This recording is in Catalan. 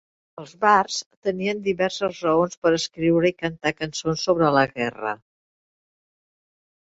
Els bards tenien diverses raons per escriure i cantar cançons sobre la guerra.